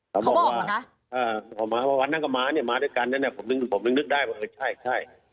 เขาบอกเหรอคะอ่าวันนั้นกับม้านี่มาด้วยกันนั้นเนี่ยผมนึกผมนึกนึกได้ว่าใช่ใช่